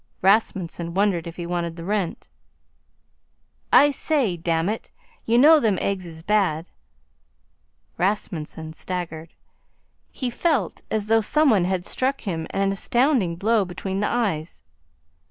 Rasmunsen wondered if he wanted the rent. "I say, damn it, you know, them eggs is bad." Rasmunsen staggered. He felt as though some one had struck him an astounding blow between the eyes.